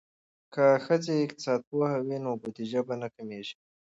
که ښځې اقتصاد پوهې وي نو بودیجه به نه کمیږي.